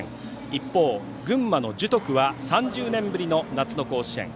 一方、群馬の樹徳は３０年ぶりの夏の甲子園。